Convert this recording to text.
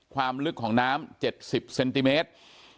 ความลึกของน้ำ๗๐เซนติเมตร